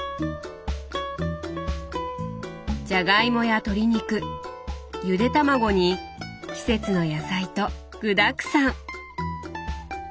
じゃがいもや鶏肉ゆで卵に季節の野菜と具だくさん。